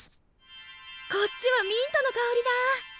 こっちはミントの香りだ。